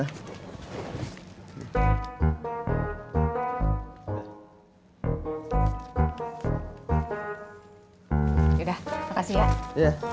yaudah makasih ya